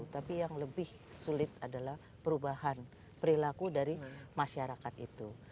tapi yang lebih sulit adalah perubahan perilaku dari masyarakat itu